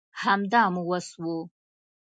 همدا مو وس وو